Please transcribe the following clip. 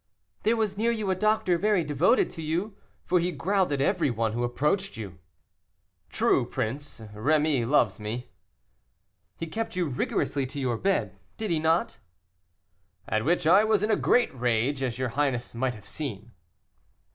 "There was near you a doctor very devoted to you, for he growled at everyone who approached you." "True, prince, Rémy loves me." "He kept you rigorously to your bed, did he not?" "At which I was in a great rage, as your highness might have seen."